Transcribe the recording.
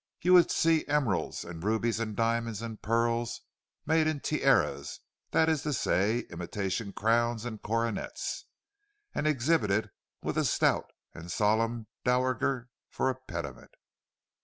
You would see emeralds and rubies and diamonds and pearls made in tiaras—that is to say, imitation crowns and coronets—and exhibited with a stout and solemn dowager for a pediment.